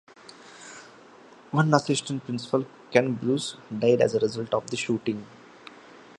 One assistant principal, Ken Bruce, died as a result of the shooting.